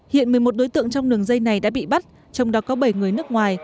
hiện một mươi một đối tượng trong đường dây này đã bị bắt trong đó có bảy người nước ngoài